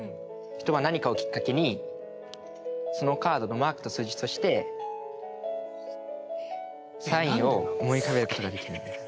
人は何かをきっかけにそのカードのマークと数字そしてサインを思い浮かべることができるんです。